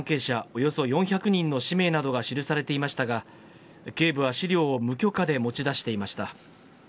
およそ４００人の氏名などが記されていましたが、警部は資料を無許可で持ち出していました。